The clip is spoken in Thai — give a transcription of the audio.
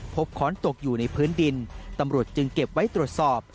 ค้อนตกอยู่ในพื้นดินตำรวจจึงเก็บไว้ตรวจสอบ